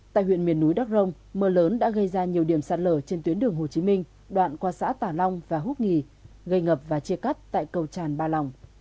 tại huyện miền núi đắc rông mưa lớn đã gây ra nhiều điểm sạt lở trên tuyến đường hồ chí minh đoạn qua xã tả long và húc nghì gây ngập và chia cắt tại cầu tràn ba lòng